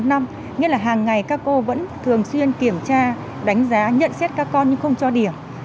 sáu năm nghĩa là hàng ngày các cô vẫn thường xuyên kiểm tra đánh giá nhận xét các con nhưng không cho điểm